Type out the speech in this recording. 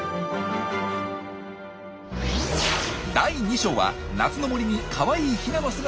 第２章は夏の森にかわいいヒナの姿が！